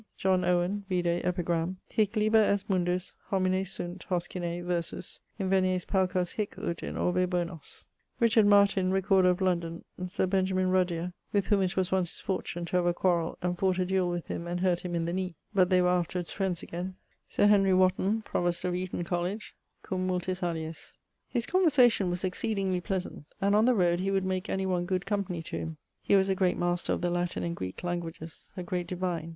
John Owen, (vide Epigr. 1 Hic liber est mundus; homines sunt, Hoskine, versus: Invenies paucos hîc ut in orbe bonos;) Martyn, recorder of London; Sir Benjamin Ruddyer, with whom it was once his fortune to have a quarrell and fought a duell with him and hurt him in the knee, but they were afterwards friends again; Sir Henry Wotton, provost of Eaton College; cum multis aliis. His conversation was exceedingly pleasant, and on the roade he would make any one good company to him. He was a great master of the Latin and Greke languages; a great divine.